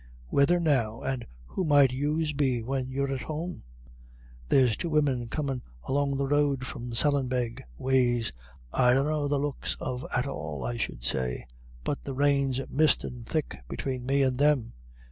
"Whethen now, and who might yous be when you're at home? There's two women comin' along the road from Sallinbeg ways, I dunno the looks of at all, I should say; but the rain's mistin' thick between me and them.